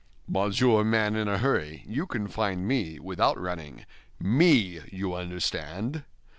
"Monsieur Man in a hurry, you can find me without running—me, you understand?"